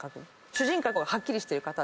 主人格がはっきりしてる方。